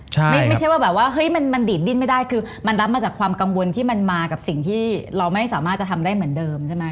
ใช่ไม่ใช่ว่าแบบว่าเฮ้ยมันดีดดิ้นไม่ได้คือมันรับมาจากความกังวลที่มันมากับสิ่งที่เราไม่สามารถจะทำได้เหมือนเดิมใช่ไหม